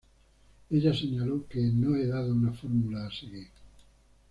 Ella señaló que ""no he dado una fórmula a seguir.